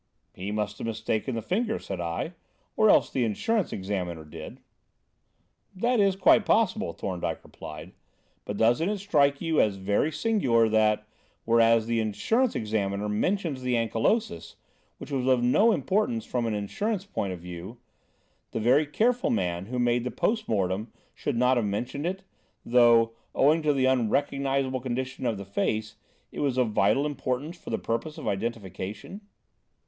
"He must have mistaken the finger," said I, "or else the insurance examiner did." "That is quite possible," Thorndyke replied; "but, doesn't it strike you as very singular that, whereas the insurance examiner mentions the ankylosis, which was of no importance from an insurance point of view, the very careful man who made the post mortem should not have mentioned it, though, owing to the unrecognisable condition of the face, it was of vital importance for the purpose of identification?"